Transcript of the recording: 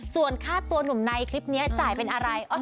ส่วนค่าตัวหนุ่มในคลิปนี้จ่ายเป็นอะไร